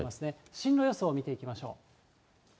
進路予想を見ていきましょう。